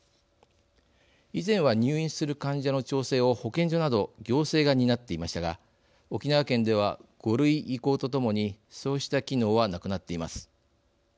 以前は入院する患者の調整を保健所など行政が担っていましたが沖縄県では５類移行とともにそうした機能はなくなっています。